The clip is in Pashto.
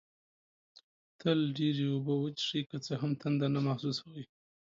تل ډېري اوبه وڅېښئ، که څه هم تنده نه محسوسوئ